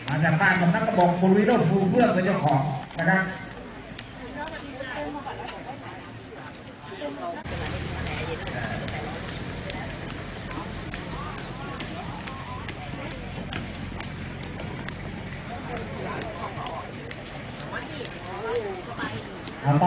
อาจารย์ฝ่ายตรงท่านกระโบกบนวิโรธฟูเวือกในเจ้าของนะครับ